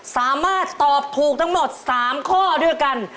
สามารถตอบถูกทั้งหมด๓ข้อด้วยกัน